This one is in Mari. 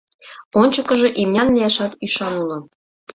Ончыкыжо имнян лияшат ӱшан уло.